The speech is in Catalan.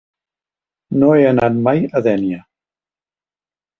No he anat mai a Dénia.